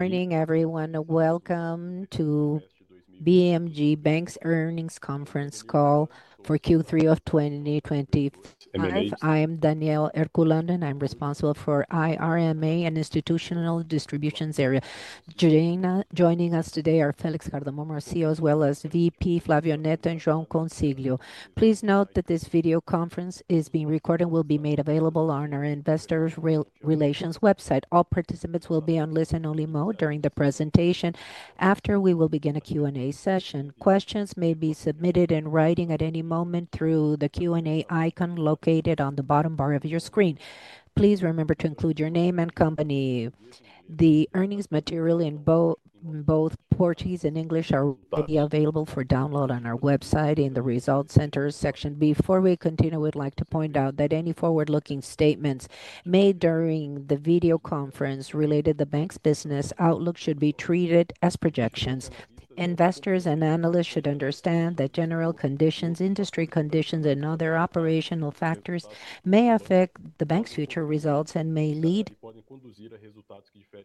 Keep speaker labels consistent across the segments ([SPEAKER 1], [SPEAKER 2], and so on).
[SPEAKER 1] Morning, everyone. Welcome to BMG Bank's earnings conference call for Q3 of 2025. I am Danielle Erculandon. I'm responsible for IRMA and institutional distributions area. Joining us today are Felix Cardomo our CEO, as well as VP Flavio Neto and João Consiglio. Please note that this video conference is being recorded and will be made available on our investor relations website. All participants will be on listen-only mode during the presentation. After we will begin a Q&A session. Questions may be submitted in writing at any moment through the Q&A icon located on the bottom bar of your screen. Please remember to include your name and company. The earnings material in both Portuguese and English is available for download on our website in the Results Center section. Before we continue, we'd like to point out that any forward-looking statements made during the video conference related to the bank's business outlook should be treated as projections. Investors and analysts should understand that general conditions, industry conditions, and other operational factors may affect the bank's future results and may lead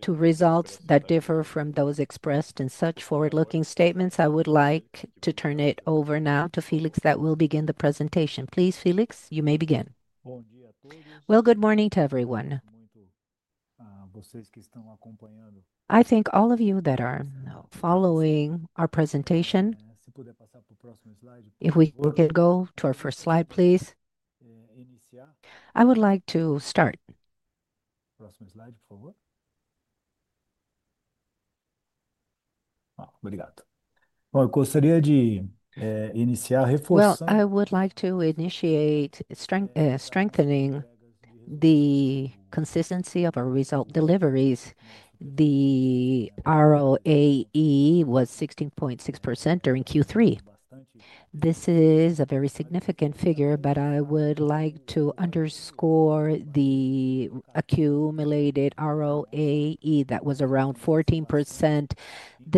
[SPEAKER 1] to results that differ from those expressed in such forward-looking statements. I would like to turn it over now to Felix that will begin the presentation. Please, Felix, you may begin.
[SPEAKER 2] [F]
[SPEAKER 1] Good morning to everyone. I thank all of you that are following our presentation.
[SPEAKER 2] [F]
[SPEAKER 1] If we could go to our first slide, please. I would like to start.
[SPEAKER 2] [F]
[SPEAKER 1] I would like to initiate strengthening the consistency of our result deliveries. The ROAE was 16.6% during Q3. This is a very significant figure, but I would like to underscore the accumulated ROAE that was around 14%.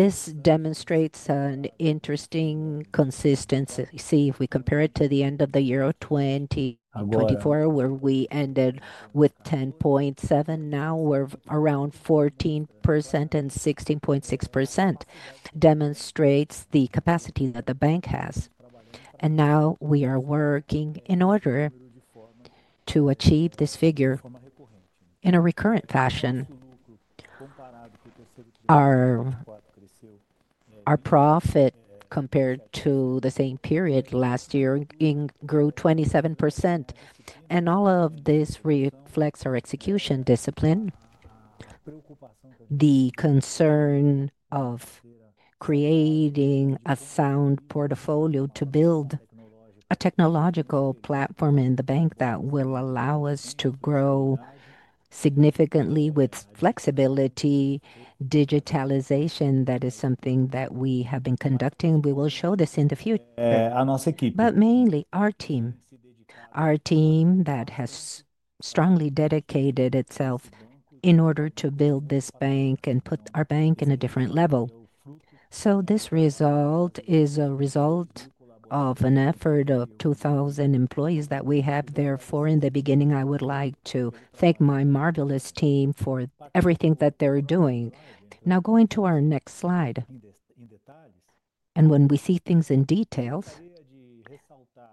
[SPEAKER 1] This demonstrates an interesting consistency. See, if we compare it to the end of the year of 2024, where we ended with 10.7, now we're around 14% and 16.6%. It demonstrates the capacity that the bank has. Now we are working in order to achieve this figure in a recurrent fashion.
[SPEAKER 2] [F]
[SPEAKER 1] Our profit compared to the same period last year grew 27%. All of this reflects our execution discipline, the concern of creating a sound portfolio to build a technological platform in the bank that will allow us to grow significantly with flexibility. Digitalization, that is something that we have been conducting. We will show this in the future.
[SPEAKER 2] [F]
[SPEAKER 1] Mainly our team, our team that has strongly dedicated itself in order to build this bank and put our bank in a different level. This result is a result of an effort of 2,000 employees that we have. Therefore, in the beginning, I would like to thank my marvelous team for everything that they're doing. Now, going to our next slide. When we see things in detail,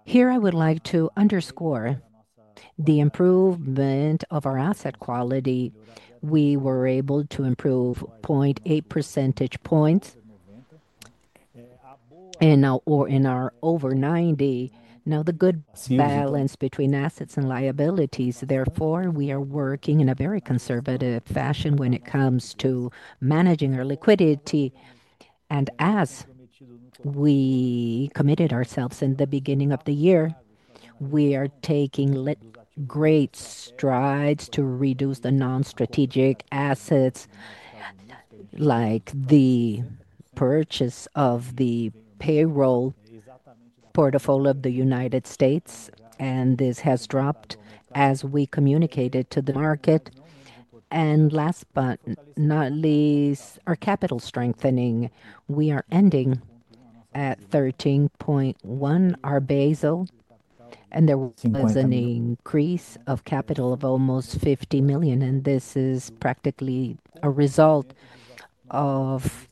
[SPEAKER 1] here I would like to underscore the improvement of our asset quality. We were able to improve 0.8 percentage points in our over 90. The good balance between assets and liabilities. Therefore, we are working in a very conservative fashion when it comes to managing our liquidity. As we committed ourselves in the beginning of the year, we are taking great strides to reduce the non-strategic assets like the purchase of the payroll portfolio of the United States. This has dropped as we communicated to the market. Last but not least, our capital strengthening. We are ending at 13.1, our Basel, and there was an increase of capital of almost 50 million. This is practically a result of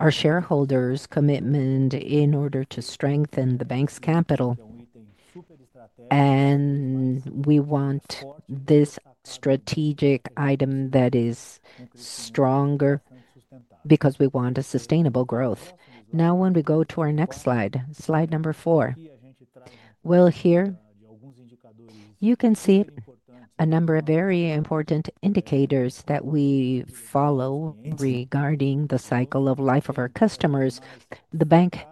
[SPEAKER 1] our shareholders' commitment in order to strengthen the bank's capital. We want this strategic item that is stronger because we want a sustainable growth. Now, when we go to our next slide, slide number four, here you can see a number of very important indicators that we follow regarding the cycle of life of our customers. The bank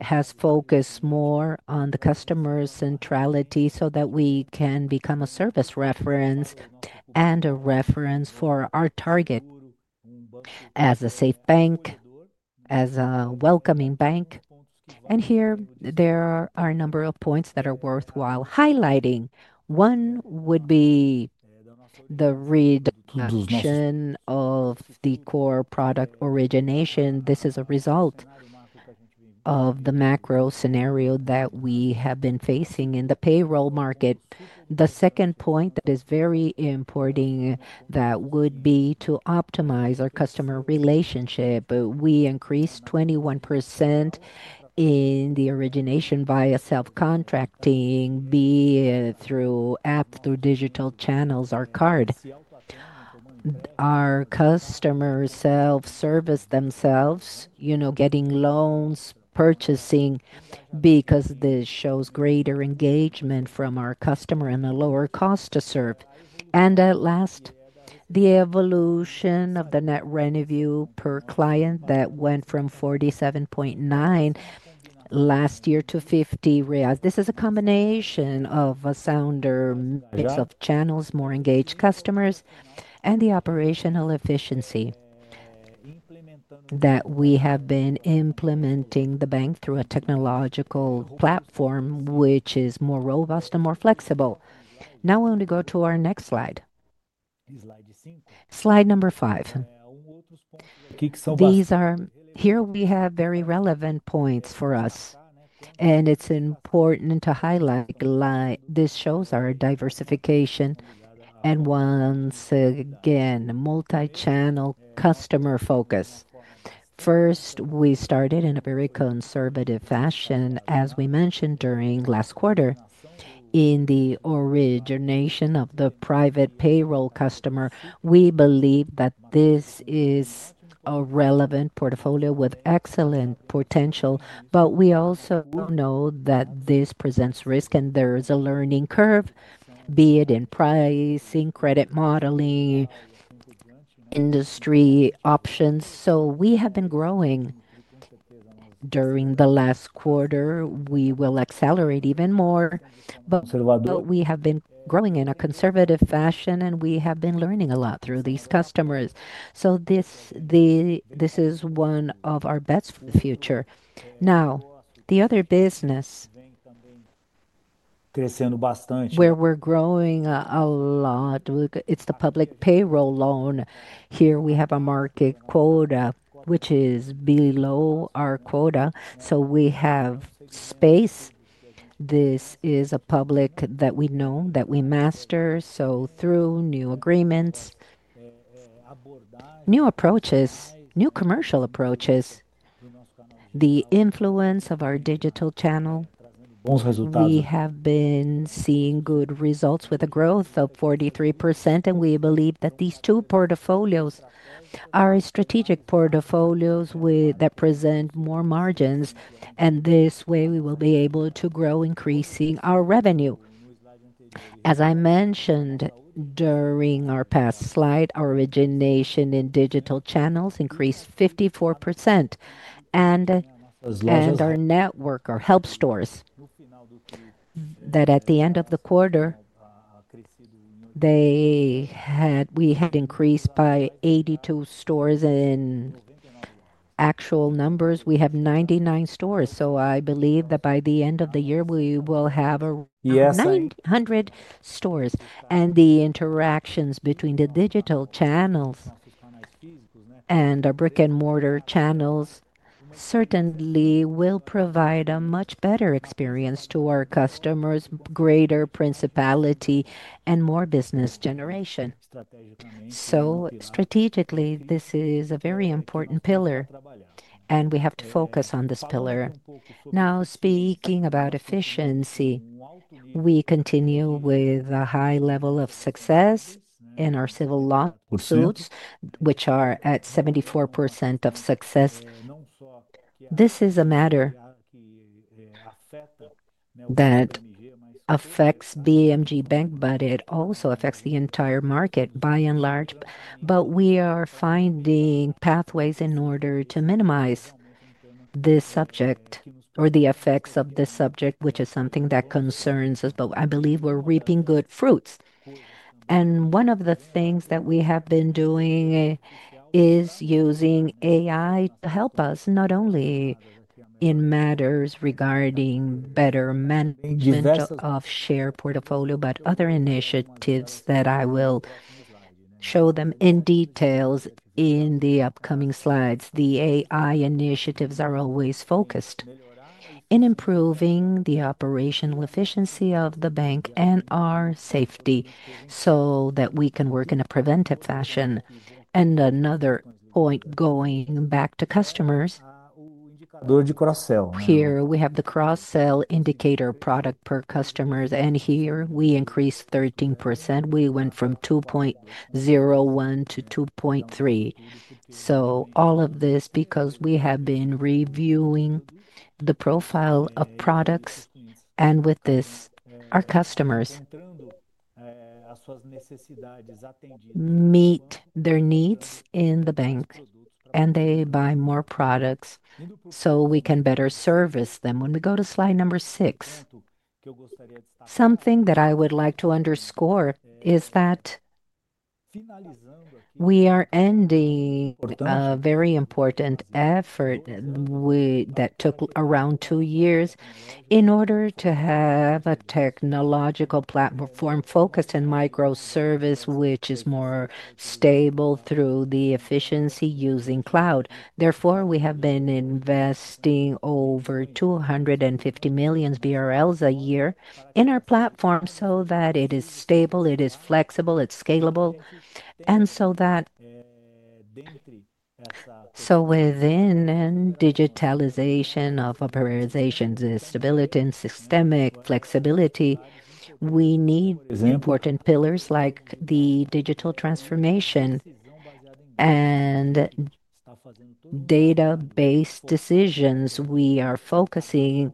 [SPEAKER 1] has focused more on the customer centrality so that we can become a service reference and a reference for our target as a safe bank, as a welcoming bank. Here there are a number of points that are worthwhile highlighting. One would be the reduction of the core product origination. This is a result of the macro scenario that we have been facing in the payroll market. The second point that is very important would be to optimize our customer relationship. We increased 21% in the origination via self-contracting, be it through app, through digital channels, or card. Our customers self-service themselves, you know, getting loans, purchasing, because this shows greater engagement from our customer and a lower cost to serve. At last, the evolution of the net revenue per client that went from 47.9 last year to 50 reais. This is a combination of a sounder mix of channels, more engaged customers, and the operational efficiency that we have been implementing in the bank through a technological platform, which is more robust and more flexible. Now, when we go to our next slide, slide number five, here we have very relevant points for us. It's important to highlight this shows our diversification and once again, multi-channel customer focus. First, we started in a very conservative fashion, as we mentioned during last quarter, in the origination of the private payroll customer. We believe that this is a relevant portfolio with excellent potential, but we also know that this presents risk and there is a learning curve, be it in pricing, credit modeling, industry options. We have been growing during the last quarter. We will accelerate even more, but we have been growing in a conservative fashion and we have been learning a lot through these customers. This is one of our bets for the future. The other business where we're growing a lot is the public payroll loan. Here we have a market quota, which is below our quota. We have space. This is a public that we know that we master. Through new agreements, new approaches, new commercial approaches, the influence of our digital channel, we have been seeing good results with a growth of 43%. We believe that these two portfolios are strategic portfolios that present more margins. This way we will be able to grow, increasing our revenue. As I mentioned during our past slide, our origination in digital channels increased 54%. Our network, our help stores, at the end of the quarter, we had increased by 82 stores. In actual numbers, we have 99 stores. I believe that by the end of the year, we will have 900 stores. The interactions between the digital channels and our brick-and-mortar channels certainly will provide a much better experience to our customers, greater principality and more business generation. Strategically, this is a very important pillar, and we have to focus on this pillar. Now, speaking about efficiency, we continue with a high level of success in our civil lawsuits, which are at 74% of success. This is a matter that affects Banco BMG, but it also affects the entire market by and large. We are finding pathways in order to minimize this subject or the effects of this subject, which is something that concerns us. I believe we're reaping good fruits. One of the things that we have been doing is using AI to help us not only in matters regarding better management of share portfolio, but other initiatives that I will show them in detail in the upcoming slides. The AI initiatives are always focused on improving the operational efficiency of the bank and our safety so that we can work in a preventive fashion. Another point, going back to customers, here we have the cross-sell indicator product per customers. Here we increased 13%. We went from 2.01 to 2.3. All of this is because we have been reviewing the profile of products. With this, our customers meet their needs in the bank, and they buy more products so we can better service them. When we go to slide number six, something that I would like to underscore is that we are ending a very important effort that took around two years in order to have a technological platform focused in microservice, which is more stable through the efficiency using cloud. Therefore, we have been investing over 250 million BRL a year in our platform so that it is stable, it is flexible, it's scalable. Within digitalization of operational stability and systemic flexibility, we need important pillars like the digital transformation and data-based decisions. We are focusing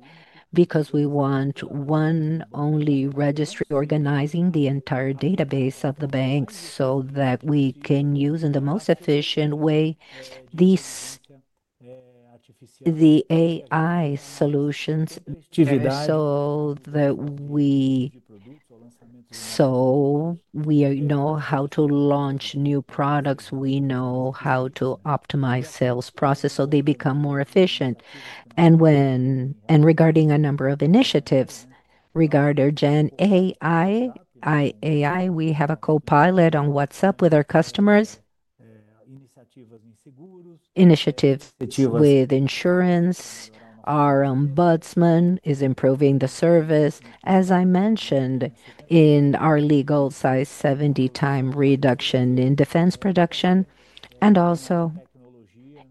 [SPEAKER 1] because we want one only registry organizing the entire database of the bank so that we can use in the most efficient way the AI solutions. We know how to launch new products, we know how to optimize sales processes so they become more efficient. Regarding a number of initiatives regarding Gen AI, we have a co-pilot on WhatsApp with our customers, initiatives with insurance. Our ombudsman is improving the service. As I mentioned in our legal side, 70-time reduction in defense production and also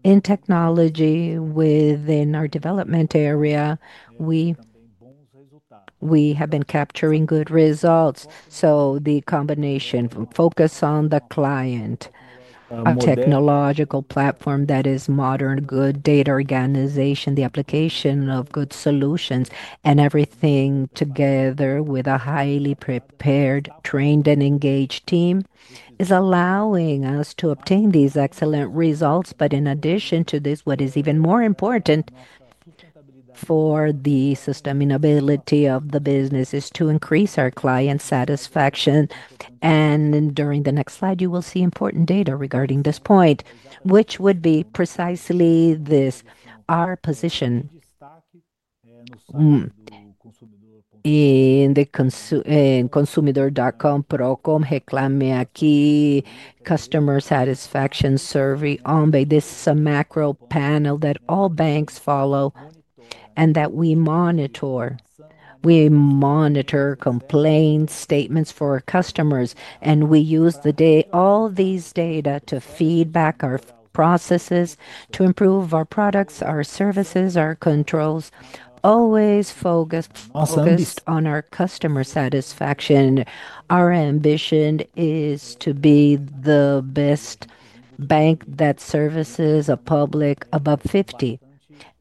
[SPEAKER 1] in technology within our development area, we have been capturing good results. The combination of focus on the client, a technological platform that is modern, good data organization, the application of good solutions, and everything together with a highly prepared, trained, and engaged team is allowing us to obtain these excellent results. In addition to this, what is even more important for the sustainability of the business is to increase our client satisfaction. During the next slide, you will see important data regarding this point, which would be precisely this. Our position in consumidor.com, Procom, Reclame Aqui, customer satisfaction survey. This is a macro panel that all banks follow and that we monitor. We monitor complaint statements for our customers, and we use all these data to feedback our processes to improve our products, our services, our controls, always focused on our customer satisfaction. Our ambition is to be the best bank that services a public above 50.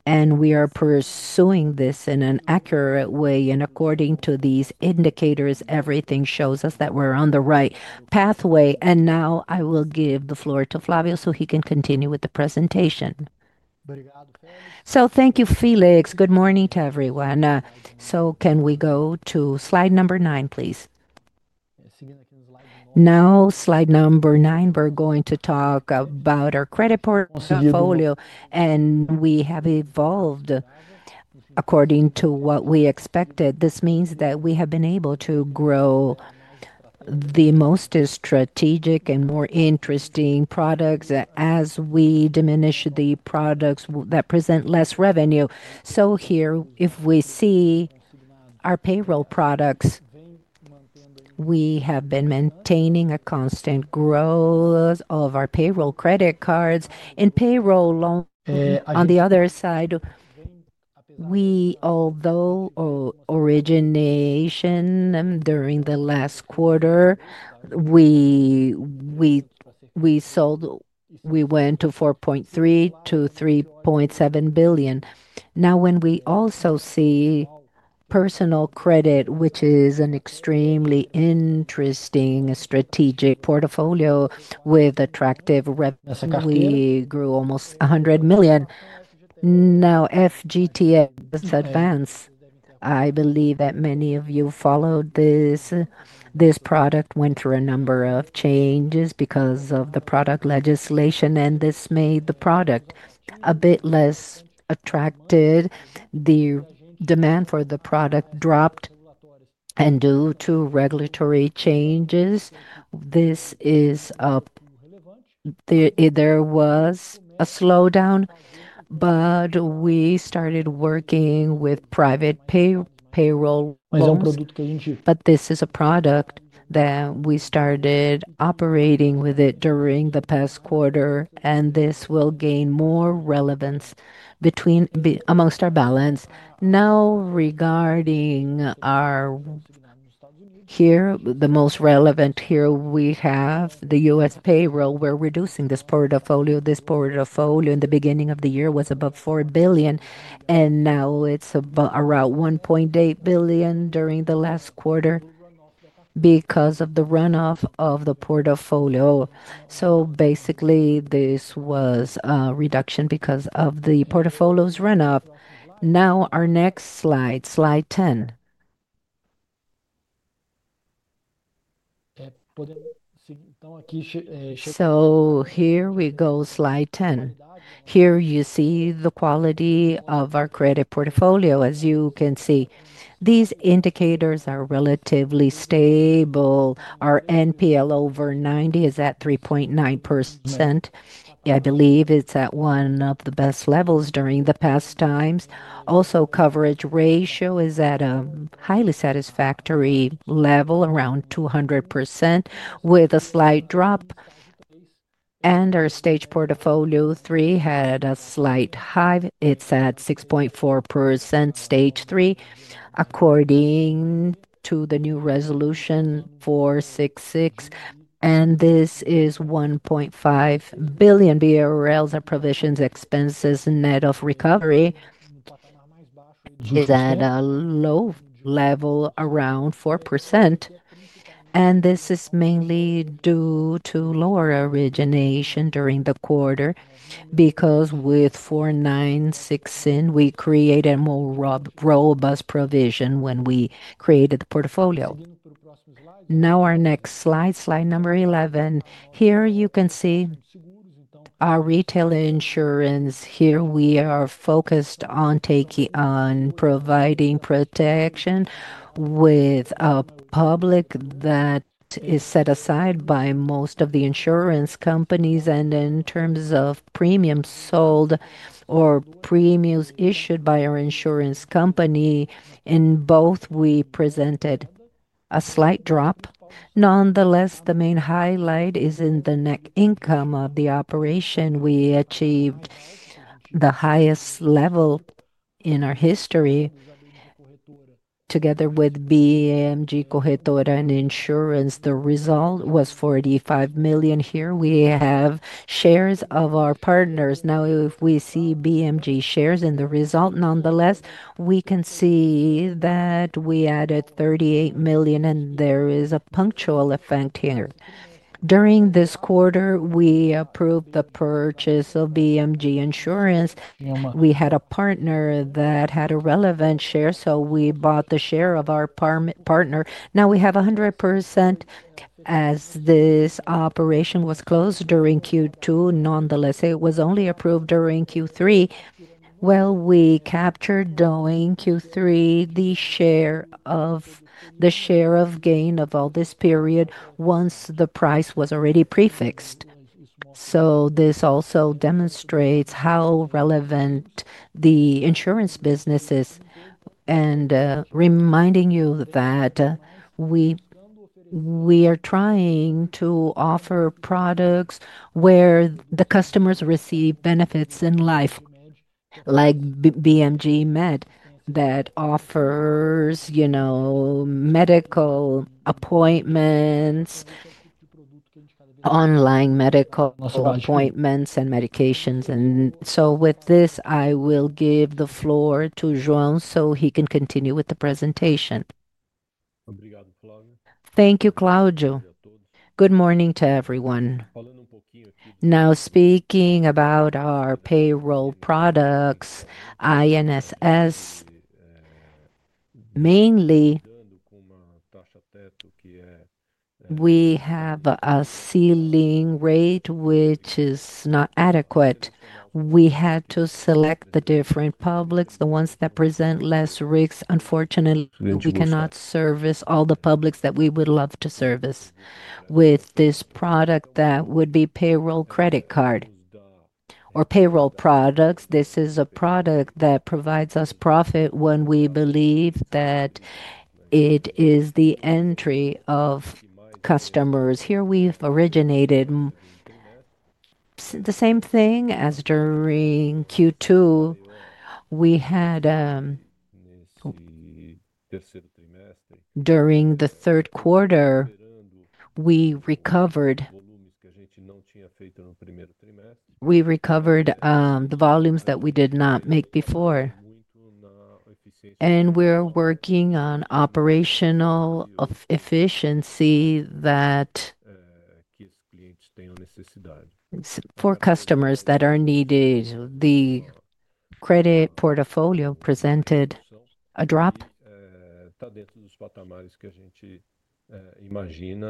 [SPEAKER 1] We are pursuing this in an accurate way. According to these indicators, everything shows us that we're on the right pathway. I will give the floor to Flavio so he can continue with the presentation. Thank you, Felix. Good morning to everyone. Can we go to slide number nine, please? Now, slide number nine, we're going to talk about our credit portfolio, and we have evolved according to what we expected. This means that we have been able to grow the most strategic and more interesting products as we diminish the products that present less revenue. Here, if we see our payroll products, we have been maintaining a constant growth of our payroll credit cards and payroll loan. On the other side, although origination during the last quarter, we sold, we went to 4.3 billion to 3.7 billion. Now, when we also see personal credit, which is an extremely interesting strategic portfolio with attractive revenue, we grew almost 100 million. Now, FGTS Advance, I believe that many of you followed this product, went through a number of changes because of the product legislation, and this made the product a bit less attractive. The demand for the product dropped, and due to regulatory changes, there was a slowdown, but we started working with private payroll. This is a product that we started operating with during the past quarter, and this will gain more relevance amongst our balance. Now, regarding our here, the most relevant here we have the U.S. payroll. We're reducing this portfolio. This portfolio in the beginning of the year was above 4 billion, and now it's about around 1.8 billion during the last quarter because of the runoff of the portfolio. Basically, this was a reduction because of the portfolio's runoff. Our next slide, slide 10. Here we go, slide 10. Here you see the quality of our credit portfolio. As you can see, these indicators are relatively stable. Our NPL over 90 is at 3.9%. I believe it's at one of the best levels during the past times. Also, coverage ratio is at a highly satisfactory level, around 200%, with a slight drop. Our stage three portfolio had a slight high. It is at 6.4% stage three, according to the new resolution 466. This is 1.5 billion BRL of provisions, expenses, net of recovery. It is at a low level, around 4%. This is mainly due to lower origination during the quarter because with 496 in, we created a more robust provision when we created the portfolio. Now, our next slide, slide number 11. Here you can see our retail insurance. Here we are focused on providing protection with a public that is set aside by most of the insurance companies, and in terms of premiums sold or premiums issued by our insurance company. In both, we presented a slight drop. Nonetheless, the main highlight is in the net income of the operation. We achieved the highest level in our history together with BMG Corretora and insurance. The result was 45 million here. We have shares of our partners. Now, if we see BMG shares in the result, nonetheless, we can see that we added 38 million, and there is a punctual effect here. During this quarter, we approved the purchase of BMG Insurance. We had a partner that had a relevant share, so we bought the share of our partner. Now, we have 100% as this operation was closed during Q2. Nonetheless, it was only approved during Q3. We captured during Q3 the share of the share of gain of all this period once the price was already prefixed. This also demonstrates how relevant the insurance business is and reminding you that we are trying to offer products where the customers receive benefits in life, like BMG Med, that offers medical appointments, online medical appointments, and medications. With this, I will give the floor to João so he can continue with the presentation.
[SPEAKER 3] Thank you, Claudio.
[SPEAKER 1] Good morning to everyone.
[SPEAKER 3] [F]
[SPEAKER 1] Now, speaking about our payroll products, INSS, mainly we have a ceiling rate, which is not adequate. We had to select the different publics, the ones that present less risk. Unfortunately, we cannot service all the publics that we would love to service with this product that would be payroll credit card or payroll products. This is a product that provides us profit when we believe that it is the entry of customers. Here we have originated the same thing as during Q2. During the third quarter, we recovered the volumes that we did not make before. We are working on operational efficiency that for customers that are needed. The credit portfolio presented a drop,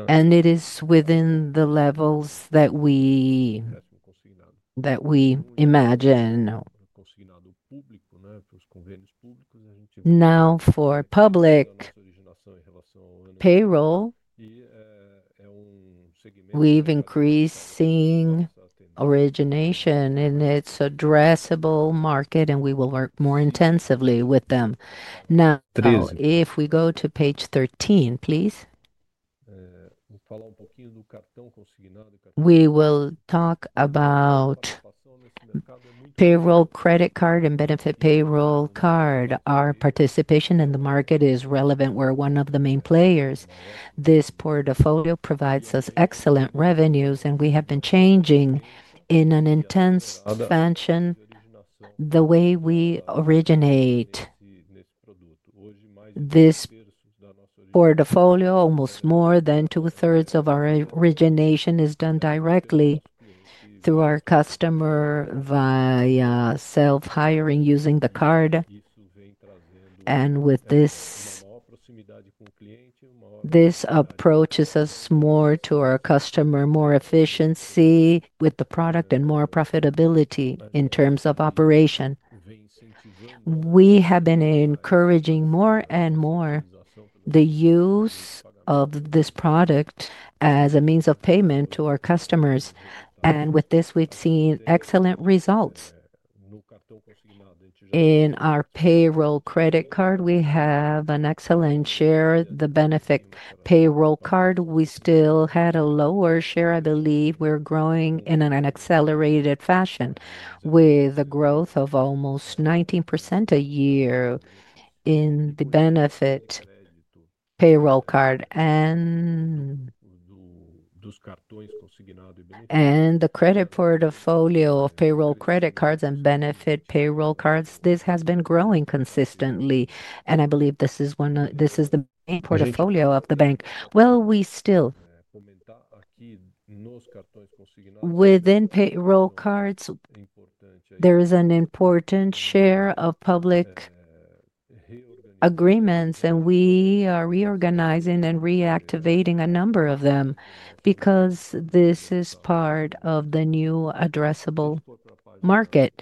[SPEAKER 1] and it is within the levels that we imagine. Now, for public payroll, we've increased origination, and its addressable market, and we will work more intensively with them. Now, if we go to page 13, please, we will talk about payroll credit card and benefit payroll card. Our participation in the market is relevant. We're one of the main players. This portfolio provides us excellent revenues, and we have been changing in an intense expansion the way we originate. This portfolio, almost more than two-thirds of our origination is done directly through our customer, via self-hiring using the card. With this approach, it's more to our customer, more efficiency with the product, and more profitability in terms of operation. We have been encouraging more and more the use of this product as a means of payment to our customers. With this, we've seen excellent results. In our payroll credit card, we have an excellent share. The benefit payroll card, we still had a lower share. I believe we're growing in an accelerated fashion with a growth of almost 19% a year in the benefit payroll card. The credit portfolio of payroll credit cards and benefit payroll cards, this has been growing consistently. I believe this is the main portfolio of the bank. Within payroll cards, there is an important share of public agreements, and we are reorganizing and reactivating a number of them because this is part of the new addressable market.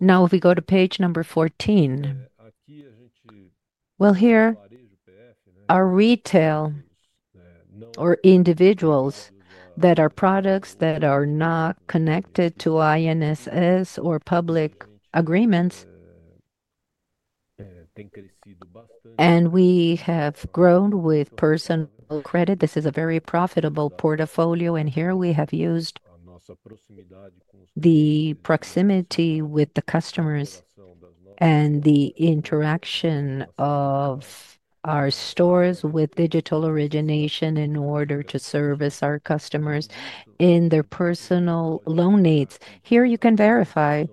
[SPEAKER 1] If we go to page number 14, here are retail or individuals that are products that are not connected to INSS or public agreements. We have grown with personal credit. This is a very profitable portfolio. Here we have used the proximity with the customers and the interaction of our stores with digital origination in order to service our customers in their personal loan needs. Here you can verify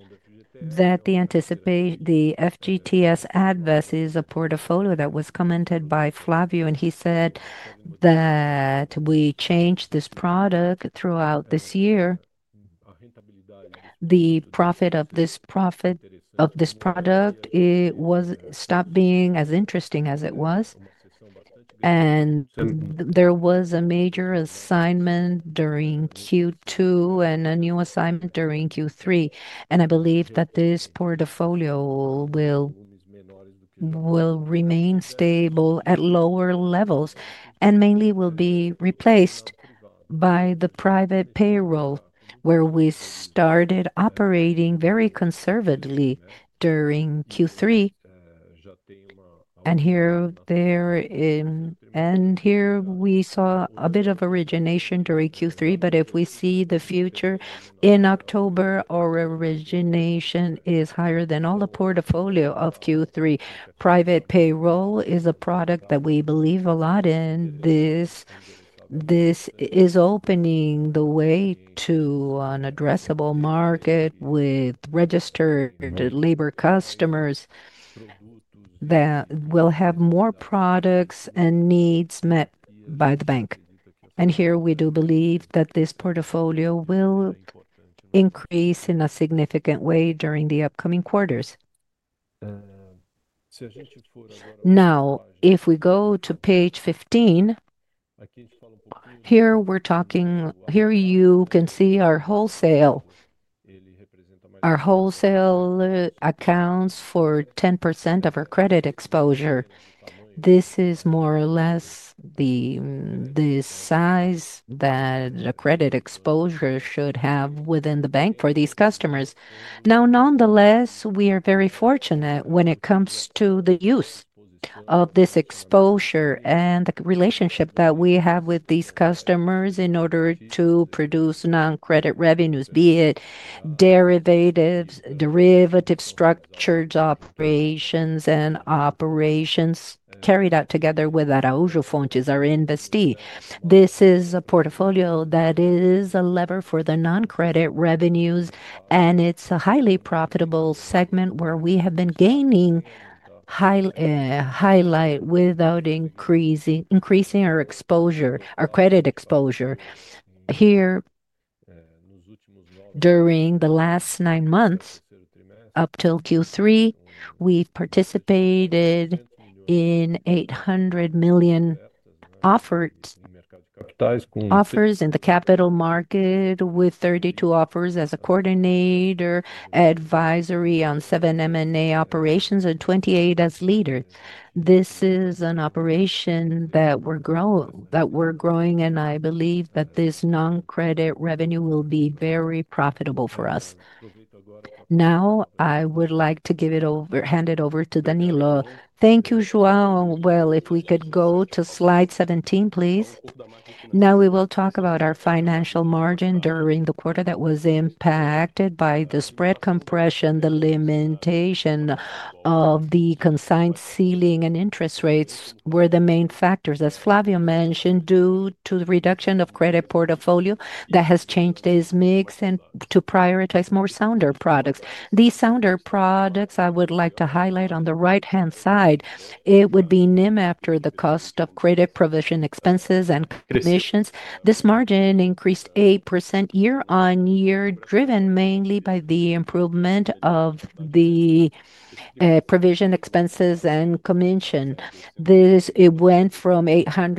[SPEAKER 1] that the FGTS Advance is a portfolio that was commented by Flavio, and he said that we changed this product throughout this year. The profit of this product stopped being as interesting as it was. There was a major assignment during Q2 and a new assignment during Q3. I believe that this portfolio will remain stable at lower levels and mainly will be replaced by the private payroll, where we started operating very conservatively during Q3. Here we saw a bit of origination during Q3, but if we see the future in October, our origination is higher than all the portfolio of Q3. Private payroll is a product that we believe a lot in. This is opening the way to an addressable market with registered labor customers that will have more products and needs met by the bank. We do believe that this portfolio will increase in a significant way during the upcoming quarters. If we go to page 15, here you can see our wholesale. Our wholesale accounts for 10% of our credit exposure. This is more or less the size that a credit exposure should have within the bank for these customers. Nonetheless, we are very fortunate when it comes to the use of this exposure and the relationship that we have with these customers in order to produce non-credit revenues, be it derivatives, derivative structured operations, and operations carried out together with Araújo Fontes or Investi. This is a portfolio that is a lever for the non-credit revenues, and it's a highly profitable segment where we have been gaining highlight without increasing our exposure, our credit exposure. Here, during the last nine months up till Q3, we participated in BRL 800 million offers in the capital market with 32 offers as a coordinator, advisory on 7 M&A operations, and 28 as leaders. This is an operation that we're growing, and I believe that this non-credit revenue will be very profitable for us. Now, I would like to hand it over to Danilo. Thank you, João. If we could go to slide 17, please. Now, we will talk about our financial margin during the quarter that was impacted by the spread compression, the limitation of the consigned ceiling, and interest rates were the main factors, as Flavio mentioned, due to the reduction of credit portfolio that has changed its mix and to prioritize more sounder products. These sounder products, I would like to highlight on the right-hand side, it would be NIM after the cost of credit provision expenses and commissions. This margin increased 8% year-on-year, driven mainly by the improvement of the provision expenses and commission. It went from 891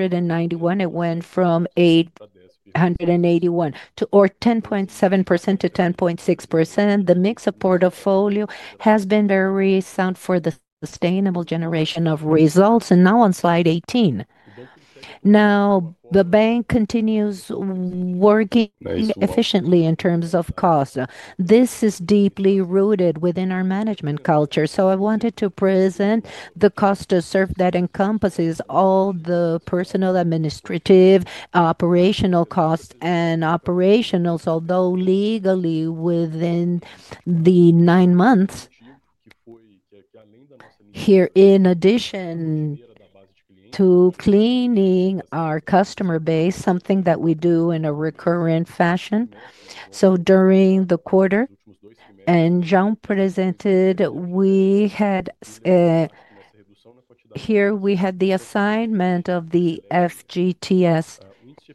[SPEAKER 1] million, it went from 881 million, or 10.7% to 10.6%. The mix of portfolio has been very sound for the sustainable generation of results. Now, on slide 18, now the bank continues working efficiently in terms of cost. This is deeply rooted within our management culture. I wanted to present the cost of service that encompasses all the personal, administrative, operational costs and operationals, although legally within the nine months. Here, in addition to cleaning our customer base, something that we do in a recurrent fashion. During the quarter, and João presented, here we had the assignment of the FGTS Advance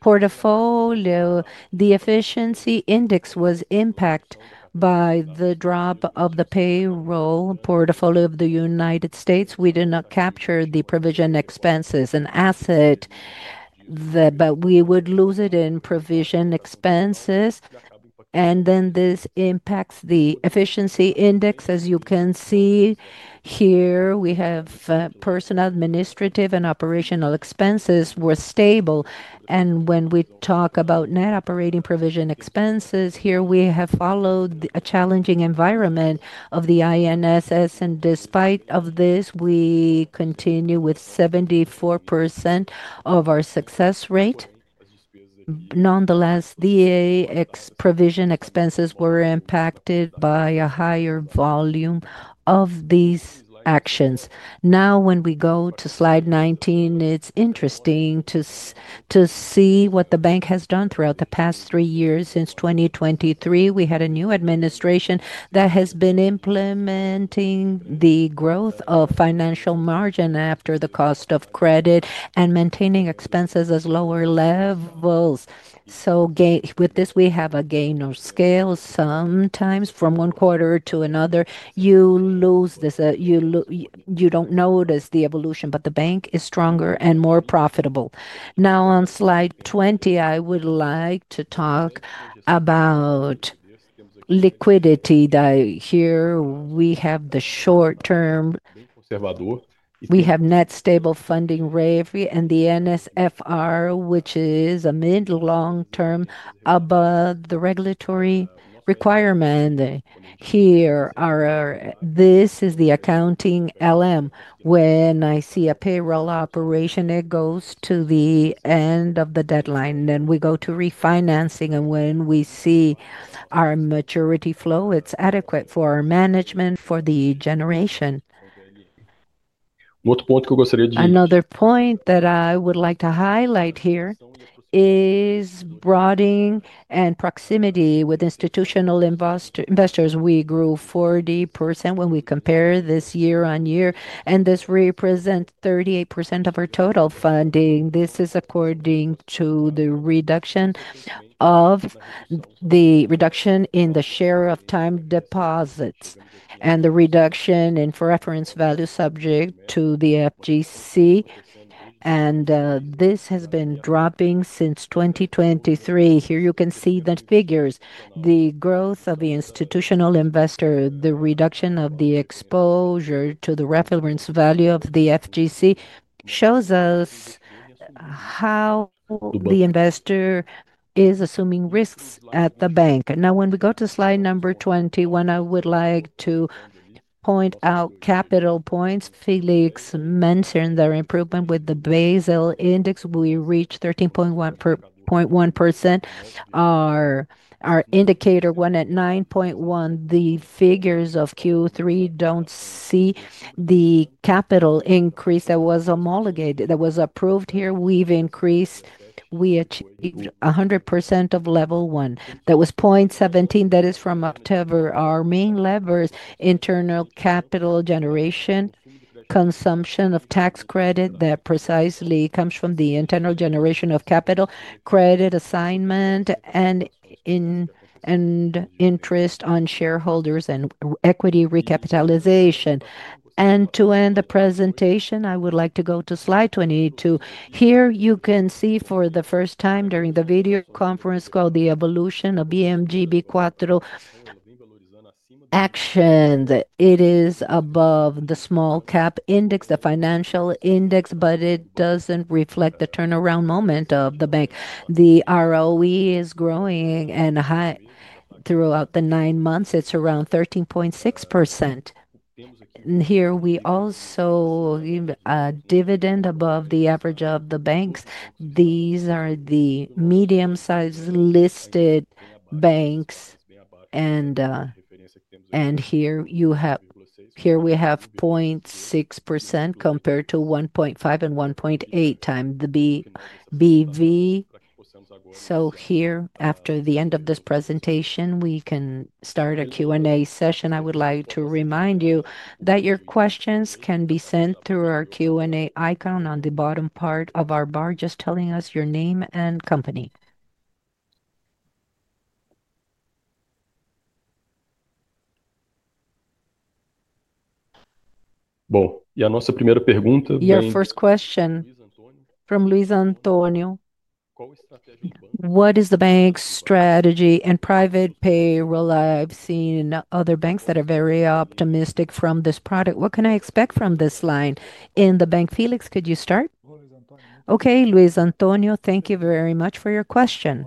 [SPEAKER 1] portfolio. The efficiency index was impacted by the drop of the payroll portfolio of the United States. We did not capture the provision expenses and asset, but we would lose it in provision expenses. This impacts the efficiency index. As you can see here, we have personal, administrative, and operational expenses were stable. When we talk about net operating provision expenses, here we have followed a challenging environment of the INSS. Despite this, we continue with 74% of our success rate. Nonetheless, the provision expenses were impacted by a higher volume of these actions. Now, when we go to slide 19, it's interesting to see what the bank has done throughout the past three years. Since 2023, we had a new administration that has been implementing the growth of financial margin after the cost of credit and maintaining expenses at lower levels. With this, we have a gain of scale. Sometimes from one quarter to another, you don't notice the evolution, but the bank is stronger and more profitable. Now, on slide 20, I would like to talk about liquidity. Here we have the short-term, we have net stable funding rate, and the NSFR, which is a mid-long term above the regulatory requirement. This is the accounting LM. When I see a payroll operation, it goes to the end of the deadline, and then we go to refinancing. When we see our maturity flow, it is adequate for our management. For the generation. Another point that I would like to highlight here is broadening and proximity with institutional investors. We grew 40% when we compare this year-on-year, and this represents 38% of our total funding. This is according to the reduction in the share of time deposits and the reduction in reference value subject to the FGC, and this has been dropping since 2023. Here you can see the figures. The growth of the institutional investor, the reduction of the exposure to the reference value of the FGC shows us how the investor is assuming risks at the bank. Now, when we go to slide number 21, I would like to point out capital points. Felix mentioned their improvement with the Basel Index. We reached 13.1%. Our indicator went at 9.1. The figures of Q3 do not see the capital increase that was approved here. We have increased, we achieved 100% of level one. That was 0.17, that is from October. Our main lever is internal capital generation, consumption of tax credit that precisely comes from the internal generation of capital credit assignment and interest on shareholders and equity recapitalization. To end the presentation, I would like to go to slide 22. Here you can see for the first time during the video conference call the evolution of BMGB4 action. It is above the small cap index, the financial index, but it does not reflect the turnaround moment of the bank. The ROE is growing and high throughout the nine months. It is around 13.6%. Here we also give a dividend above the average of the banks. These are the medium-sized listed banks. Here we have 0.6% compared to 1.5 and 1.8 times the BV. After the end of this presentation, we can start a Q&A session. I would like to remind you that your questions can be sent through our Q&A icon on the bottom part of our bar, just telling us your name and company. Bom, e a nossa primeira pergunta vem. Your first question from Luis Antonio. What is the bank's strategy and private payroll? I've seen other banks that are very optimistic from this product. What can I expect from this line in the bank? Felix, could you start? Okay, Luis Antonio, thank you very much for your question.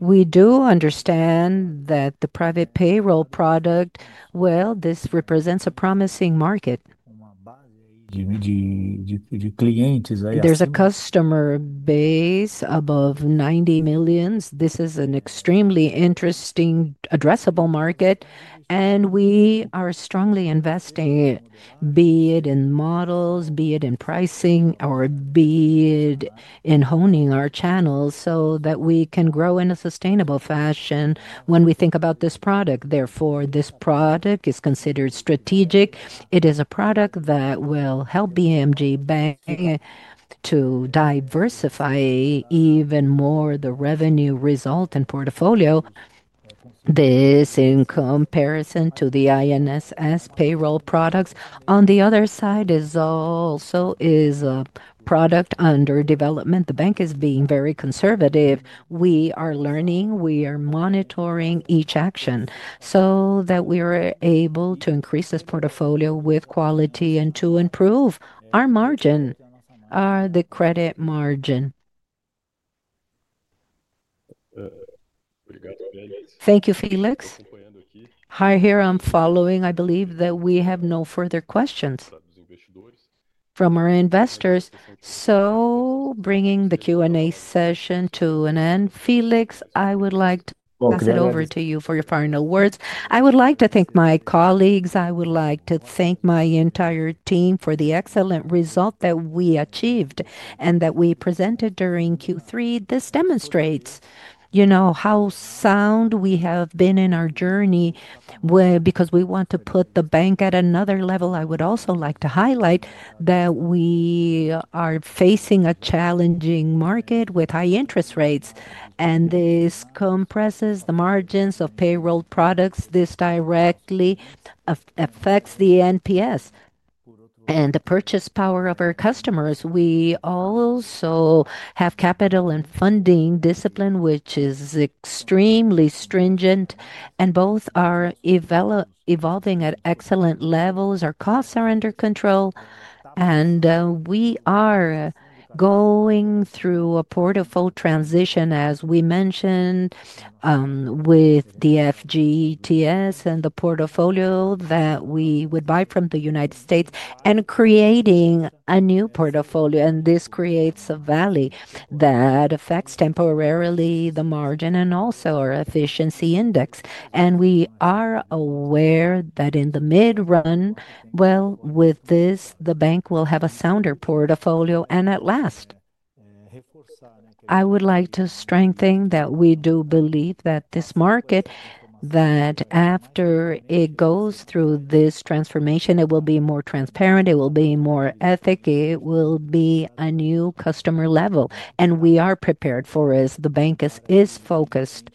[SPEAKER 1] We do understand that the private payroll product, well, this represents a promising market. There's a customer base above 90 million. This is an extremely interesting addressable market, and we are strongly investing, be it in models, be it in pricing, or be it in honing our channels so that we can grow in a sustainable fashion when we think about this product. Therefore, this product is considered strategic. It is a product that will help BMG Bank to diversify even more the revenue result and portfolio. This in comparison to the INSS payroll products. On the other side is also a product under development. The bank is being very conservative. We are learning. We are monitoring each action so that we are able to increase this portfolio with quality and to improve our margin, the credit margin. Thank you, Felix. Hi, here I am following. I believe that we have no further questions from our investors. Bringing the Q&A session to an end. Felix, I would like to pass it over to you for your final words. I would like to thank my colleagues. I would like to thank my entire team for the excellent result that we achieved and that we presented during Q3. This demonstrates, you know, how sound we have been in our journey because we want to put the bank at another level. I would also like to highlight that we are facing a challenging market with high interest rates, and this compresses the margins of payroll products. This directly affects the NPS and the purchase power of our customers. We also have capital and funding discipline, which is extremely stringent, and both are evolving at excellent levels. Our costs are under control, and we are going through a portfolio transition, as we mentioned, with the FGTS and the portfolio that we would buy from the United States and creating a new portfolio. This creates a value that affects temporarily the margin and also our efficiency index. We are aware that in the mid-run, with this, the bank will have a sounder portfolio. At last, I would like to strengthen that we do believe that this market, that after it goes through this transformation, it will be more transparent, it will be more ethic, it will be a new customer level. We are prepared for it as the bank is focused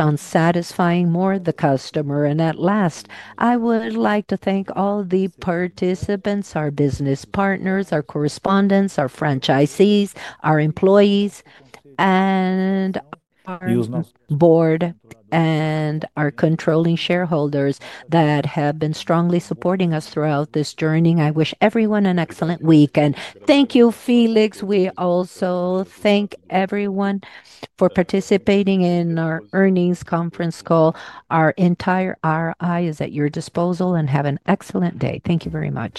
[SPEAKER 1] on satisfying more the customer. At last, I would like to thank all the participants, our business partners, our correspondents, our franchisees, our employees, our board, and our controlling shareholders that have been strongly supporting us throughout this journey. I wish everyone an excellent week. Thank you, Felix. We also thank everyone for participating in our earnings conference call. Our entire RI is at your disposal, and have an excellent day. Thank you very much.